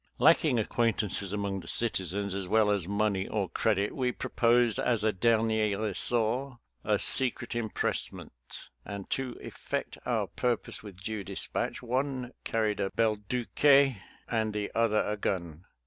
Lacking acquaintances among the citizens, as well as money or credit, we proposed as a dernier ressort a secret impress ment, and to effect our purpose with due dis patch one carried a belduque and the other a gun.